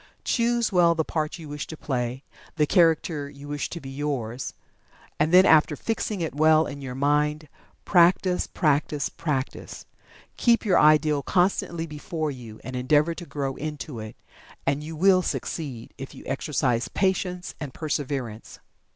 Choose well the part you wish to play the character you wish to be yours and then after fixing it well in your mind, practice, practice, practice. Keep your ideal constantly before you, and endeavor to grow into it. And you will succeed, if you exercise patience and perseverance.